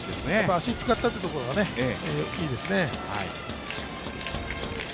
足を使ったというところがいいですね。